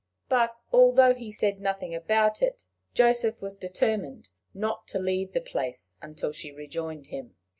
But, although he said nothing about it, Joseph was determined not to leave the place until she rejoined him.